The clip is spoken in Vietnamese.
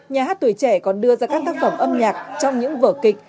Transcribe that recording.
nhà hát tuổi trẻ còn đưa ra các tác phẩm âm nhạc trong những vở kịch